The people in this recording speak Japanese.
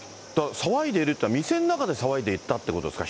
騒いでいるっていうのは、店の中で騒いでいたということですか？